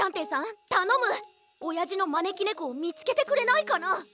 おやじのまねきねこをみつけてくれないかな？